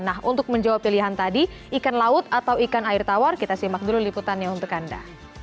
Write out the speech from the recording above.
nah untuk menjawab pilihan tadi ikan laut atau ikan air tawar kita simak dulu liputannya untuk anda